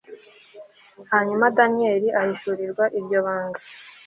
hanyuma daniyeli ahishurirwa iryo banga